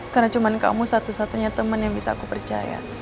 karena cuma kamu satu satunya temen yang bisa aku percaya